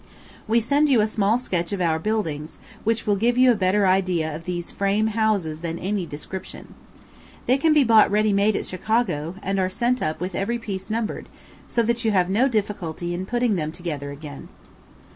We send you a small sketch of our buildings, which will give you a better idea of these "frame" houses than any description. They can be bought ready made at Chicago, and are sent up with every piece numbered, so that you have no difficulty in putting them together again.